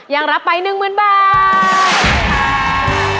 ยังรับไป๑๐๐๐บาท